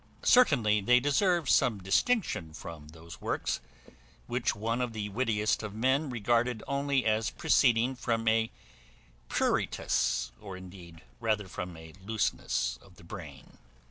Certainly they deserve some distinction from those works, which one of the wittiest of men regarded only as proceeding from a pruritus, or indeed rather from a looseness of the brain.